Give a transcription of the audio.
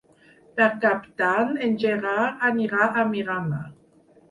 Per Cap d'Any en Gerard anirà a Miramar.